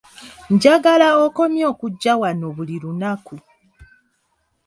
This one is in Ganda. Njagala okomye okujja wano buli lunaku.